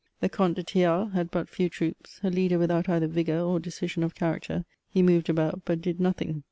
The Comte de Thiard had but few troops ; a leader without eitaer vigour or decision of character, he moved about but did nothing.